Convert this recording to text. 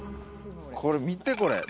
これ見てこれ。